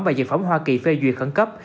và dịch phẩm hoa kỳ phê duyệt khẩn cấp